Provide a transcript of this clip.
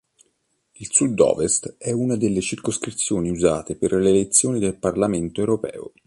Il Sud Ovest è una delle circoscrizioni usate per le elezioni del Parlamento Europeo.